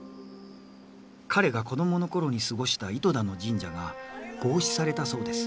彼が子供の頃に過ごした糸田の神社が合祀されたそうです。